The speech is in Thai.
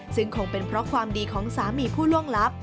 ซึ่งคงเป็นเพราะความดีของสามีผู้ล่วงลับ